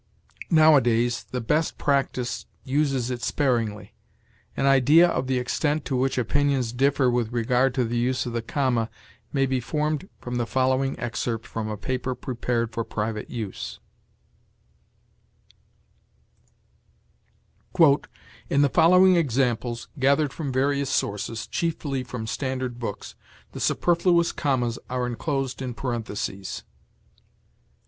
Nowadays the best practice uses it sparingly. An idea of the extent to which opinions differ with regard to the use of the comma may be formed from the following excerpt from a paper prepared for private use: "In the following examples, gathered from various sources chiefly from standard books the superfluous commas are inclosed in parentheses: "1.